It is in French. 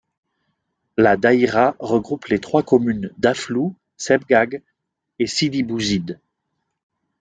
La daïra regroupe les trois communes d'Aflou, Sebgag et Sidi Bouzid.